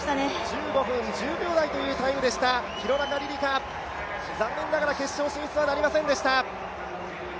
１５分１０秒台というタイムでした、廣中璃梨佳、残念ながら決勝進出はなりませんでした。